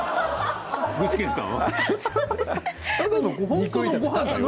具志堅さん。